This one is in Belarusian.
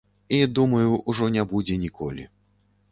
І, думаю, ужо не будзе ніколі.